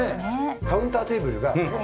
カウンターテーブルが。